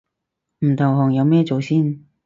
唔投降有咩做先